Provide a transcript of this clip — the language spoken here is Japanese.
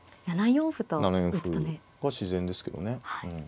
７四歩が自然ですけどね。